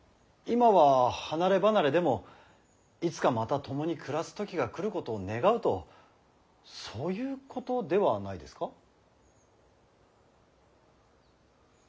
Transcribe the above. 今は離れ離れでもいつかまた共に暮らす時が来ることを願うとそういうことではないですか。